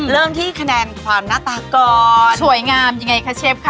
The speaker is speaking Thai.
เริ่มที่คะแนนความหน้าตาก่อนสวยงามยังไงคะเชฟค่ะ